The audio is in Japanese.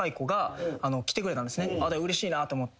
うれしいなって思って